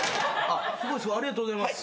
ありがとうございます。